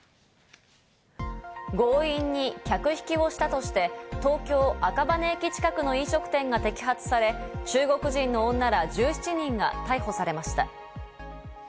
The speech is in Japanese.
強引に客引きをしたとして、東京・赤羽駅近くの飲食店が摘発され、中国人の女ら１７人が逮捕されました。